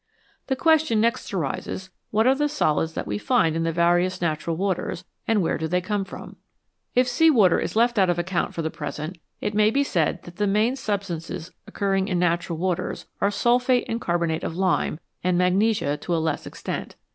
The question next arises, what are the solids that we find in the various natural waters, and where do they come from ? If sea water is left out of account for the present, it may be said that the main substances occurring in natural waters are sulphate and carbonate of lime (and magnesia, to a less extent).